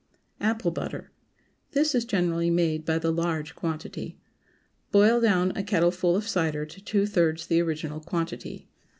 APPLE BUTTER. This is generally made by the large quantity. Boil down a kettleful of cider to two thirds the original quantity.